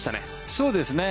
そうですね。